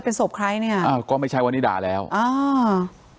เป็นศพใครเนี่ยอ่ะก็ไม่ใช่วันนิดาแล้วอ้าว